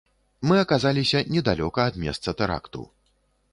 Мы аказаліся недалёка ад месца тэракту.